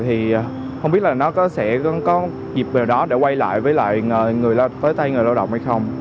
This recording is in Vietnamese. thì không biết là nó có dịp nào đó để quay lại với lại người lao động hay không